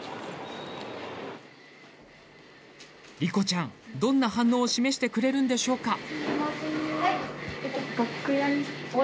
莉心ちゃん、どんな反応を示してくれるんでしょうか？